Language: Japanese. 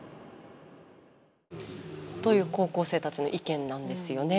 という高校生たちの意見なんですよね。